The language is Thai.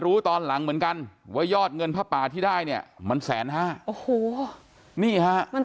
รู้ตอนหลังเหมือนกันว่ายอดเงินพระป่าที่ได้เนี่ยมันแสนห้ามัน